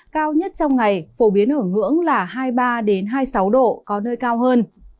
cao nhất trong ngày phổ biến ở ngưỡng là hai mươi ba hai mươi sáu độ có nơi cao hơn